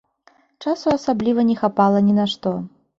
Часу асабліва не хапала ні на што.